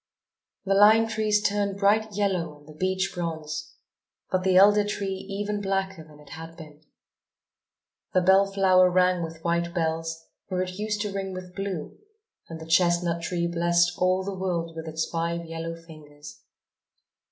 The lime trees turned bright yellow and the beech bronze, but the elder tree even blacker than it had been. The bell flower rang with white bells, where it used to ring with blue, and the chestnut tree blessed all the world with its five yellow fingers.